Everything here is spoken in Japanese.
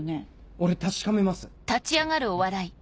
俺確かめます。